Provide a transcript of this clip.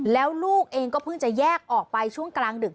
แล้วลูกเองก็เพิ่งจะแยกออกไปช่วงกลางดึก